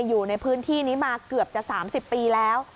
อยู่ในพื้นที่นี้มาเกือบจะ๓๐ปีแล้ว